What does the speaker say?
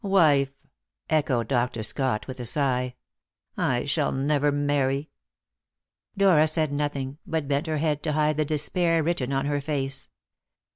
"Wife!" echoed Dr. Scott, with a sigh. "I shall never marry." Dora said nothing, but bent her head to hide the despair written on her face.